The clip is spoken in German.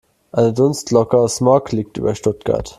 Eine Dunstglocke aus Smog liegt über Stuttgart.